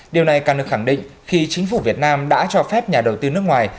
điều này càng được khẳng định khi chính phủ việt nam đã cho phép nhà đầu tư nước ngoài